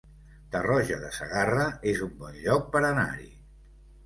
Tarroja de Segarra es un bon lloc per anar-hi